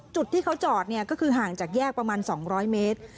จุดที่เขาจอดเนี่ยก็คือห่างจากแยกประมาณ๒๐๐เมตร